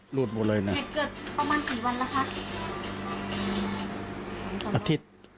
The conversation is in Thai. เกิดประมาณกี่วันแล้วคะ